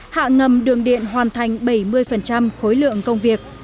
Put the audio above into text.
hạ ngầm đường điện hoàn thành bảy mươi khối lượng công việc